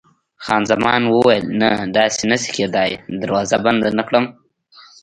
خان زمان وویل: نه، داسې نه شي کېدای، دروازه بنده نه کړم.